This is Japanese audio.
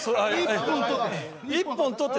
１本取って。